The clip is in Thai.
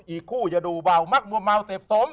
อีกคู่ยาโดเบามักหมวมาวเซฟสม